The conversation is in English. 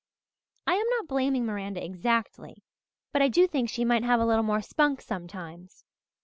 I am not blaming Miranda exactly, but I do think she might have a little more spunk sometimes.